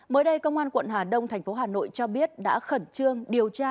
mới đây công an quận hà đông thành phố hà nội cho biết đã khẩn trương điều tra